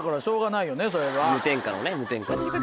無添加のね無添加。